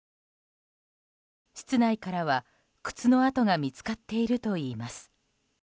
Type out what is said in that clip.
室内からは靴の跡が見つかっているといいます。